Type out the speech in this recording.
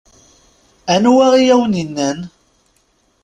Anwa i awen-innan?